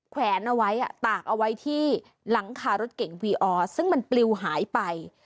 แวนเอาไว้ตากเอาไว้ที่หลังคารถเก่งวีออซึ่งมันปลิวหายไป